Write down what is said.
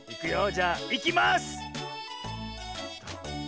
じゃあいきます！